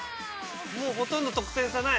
もうほとんど得点差ない。